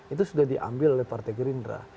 itu sudah diambil oleh partai gerindra